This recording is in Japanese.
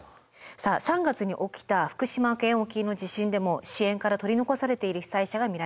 さあ３月に起きた福島県沖の地震でも支援から取り残されている被災者が見られました。